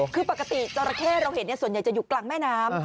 คือปกติจราเข้เราเห็นส่วนใหญ่จะอยู่กลางแม่น้ำ